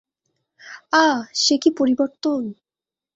আঃ, সে কী পরিবর্তন।